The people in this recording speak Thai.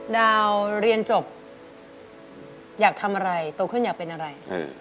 ดาวเรียนจบอยากทำอะไรโตขึ้นอยากเป็นอะไร